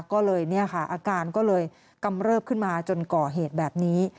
ก็เลยเนี่ยค่ะอาการก็เลยกำเริบขึ้นมาจนก่อเหตุแบบนี้